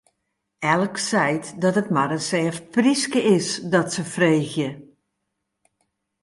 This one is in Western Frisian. Elk seit dat it mar in sêft pryske is, dat se freegje.